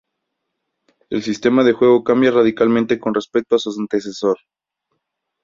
El sistema de juego cambia radicalmente con respecto a su antecesor.